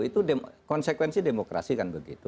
itu konsekuensi demokrasi kan begitu